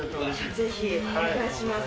ぜひお願いします。